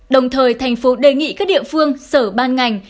đồng thời thành phố đề nghị các địa phương sở ban ngành